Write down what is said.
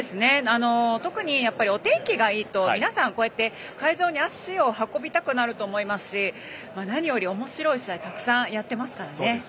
特にお天気がいいと皆さんこうやって会場に足を運びたくなると思いますし何より、おもしろい試合をたくさんやってますからね。